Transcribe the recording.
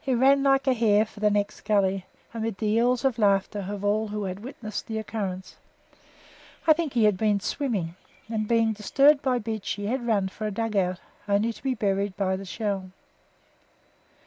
He ran like a hare for the next gully, amid the yells of laughter of all who witnessed the occurrence. I think he had been swimming, and being disturbed by "Beachy," had run for a dug out only to be buried by the shell.